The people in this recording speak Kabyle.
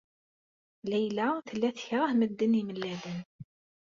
Layla tella tekṛeh medden imellalen.